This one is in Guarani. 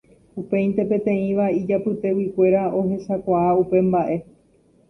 Upéinte peteĩva ijapyteguikuéra ohechakuaa upe mba'e.